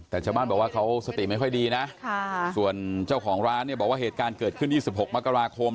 แต่ชาวบ้านบอกว่าเขาสติไม่ค่อยดีนะส่วนเจ้าของร้านเนี่ยบอกว่าเหตุการณ์เกิดขึ้น๒๖มกราคม